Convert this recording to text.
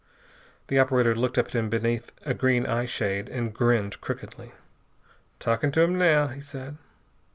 The operator looked up at him beneath a green eyeshade and grinned crookedly. "Talking to 'em now," he said.